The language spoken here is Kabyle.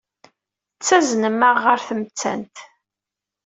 Tettaznem-aɣ ɣer tmettant.